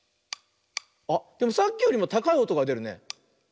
あっでもさっきよりもたかいおとがでるね。